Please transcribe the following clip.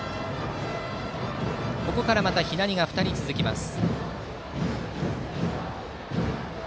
ここから左が２人続きます。